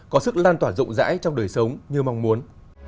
có sức lan tỏa rộng rãi trong đời sống như mong muốn